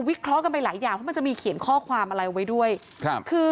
วิเคราะห์กันไปหลายอย่างที่จะมีเขียนข้อความอะไรไว้ด้วยคือ